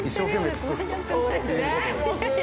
そうですね。